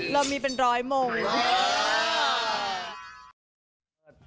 เรามีเป็นร้อยมงค์